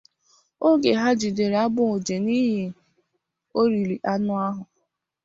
oge ha jidere Agboje na ihe oriri anọ ahụ